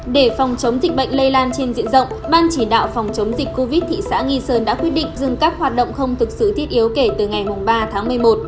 để phòng chống dịch bệnh lây lan trên diện rộng ban chỉ đạo phòng chống dịch covid thị xã nghi sơn đã quyết định dừng các hoạt động không thực sự thiết yếu kể từ ngày ba tháng một mươi một